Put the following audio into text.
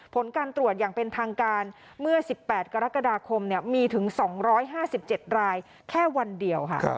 ผลการตรวจอย่างเป็นทางการเมื่อ๑๘กรกฎาคมมีถึง๒๕๗รายแค่วันเดียวค่ะ